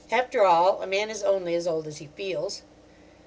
After all, a man is only as old as he feels.